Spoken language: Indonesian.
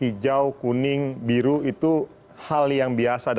namun kembali lagi ukurannya tidak hanya sekedar bisa dilihat dari seorang faisal basri